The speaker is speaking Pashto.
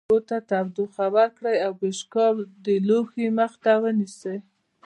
اوبو ته تودوخه ورکړئ او پیشقاب د لوښي مخ ته ونیسئ.